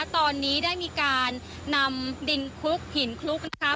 ตอนนี้ได้มีการนำดินคลุกหินคลุกนะคะ